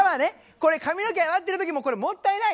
これ髪の毛洗ってる時もこれもったいない。